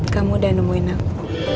kamu udah nemuin aku